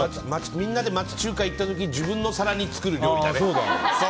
みんなで町中華行った時に、自分の皿に作る料理だね。